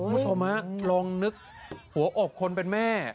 คุณผู้ชมฮะลองนึกหัวอกคนเป็นแม่